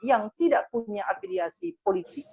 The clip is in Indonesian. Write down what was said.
yang tidak punya afiliasi politik